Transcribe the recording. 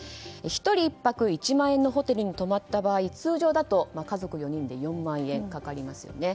１人１泊１万円のホテルに泊まった場合通常だと家族４人で４万円かかりますよね。